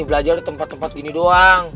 belajar di tempat tempat gini doang